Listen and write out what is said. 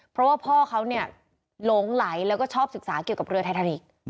เพราะว่าพ่อเขาเนี่ยหลงไหลแล้วก็ชอบศึกษาเกี่ยวกับเรือไททานิกส์